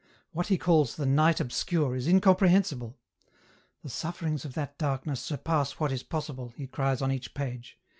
What he calls the ' night obscure ' is incomprehensible ;' The sufferings of that darkness surpass what is possible,' he cries on each page.